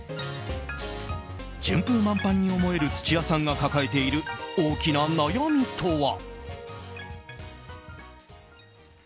順風満帆に思える土屋さんが抱えている大きな悩みとは。